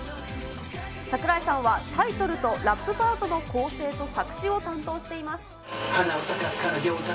櫻井さんはタイトルとラップパートの構成と作詞を担当しています。